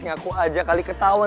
ngaku aja kali ketauan